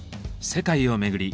世界を巡り